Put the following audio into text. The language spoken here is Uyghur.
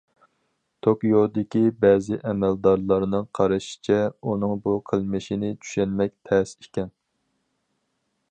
توكيودىكى بەزى ئەمەلدارلارنىڭ قارىشىچە، ئۇنىڭ بۇ قىلمىشىنى چۈشەنمەك تەس ئىكەن.